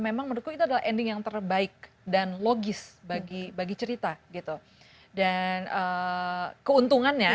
memang mendukung itu adalah ending yang terbaik dan logis bagi bagi cerita gitu dan keuntungannya